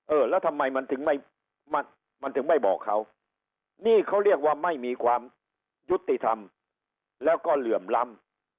เออแล้วทำไมมันถึงไม่มันถึงไม่บอกเขานี่เขาเรียกว่าไม่มีความยุติธรรมแล้วก็เหลื่อมล้ำ